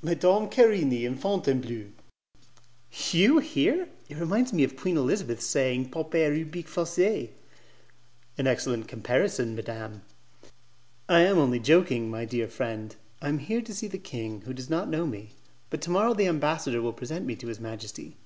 "Madame Querini in Fontainebleau?" "You here? It reminds me of Queen Elizabeth saying, "'Pauper ubique facet.'" "An excellent comparison, madam." "I am only joking, my dear friend; I am here to see the king, who does not know me; but to morrow the ambassador will present me to his majesty."